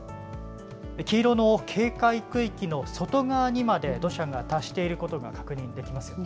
黄色の警戒区域の外側にまで、土砂が達していることが確認できますよね。